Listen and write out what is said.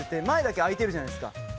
前だけ開いてるじゃないですか。